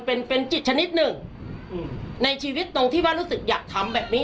เป็นเป็นจิตชนิดหนึ่งอืมในชีวิตตรงที่ว่ารู้สึกอยากทำแบบนี้